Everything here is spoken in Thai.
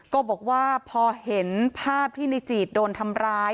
ก็บอกว่าพอเห็นภาพที่ในจีดโดนทำร้าย